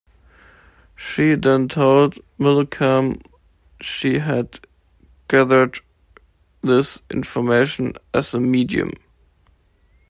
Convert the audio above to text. She then told Millecam she had gathered this information as a medium.